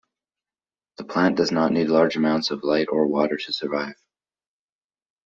The plant does not need large amounts of light or water to survive.